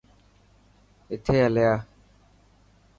اٿي هليا.